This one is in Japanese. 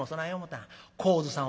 高津さん